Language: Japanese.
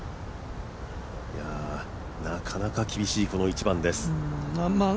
なかなか厳しい、この１番です。